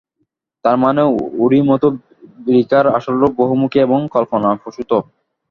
তারমানে Orimoto recur আসল রূপ বহুমুখী এবং কল্পনাপ্রসূত।